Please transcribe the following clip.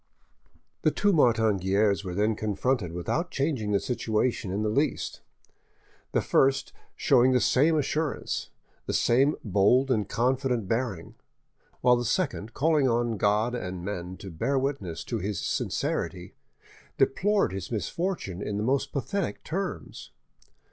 The two Martin Guerres were then confronted without changing the situation in the least; the first showing the same assurance, the same bold and confident bearing; while the second, calling on God and men to bear witness to his sincerity, deplored his misfortune in the most pathetic terms.